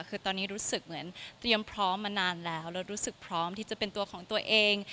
คือตอนนี้รู้สึกเหมือนเตรียมพร้อมมานานแล้วแล้วรู้สึกพร้อมที่จะเป็นตัวของตัวเอง